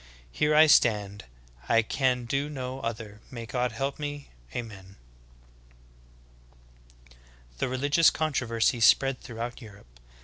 Here I stand, I can do no other, may God help me! Ameri!" 8. The religious controversy spread throughout Europe.